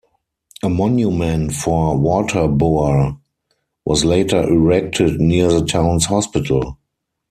A monument for Waterboer was later erected near the town's hospital.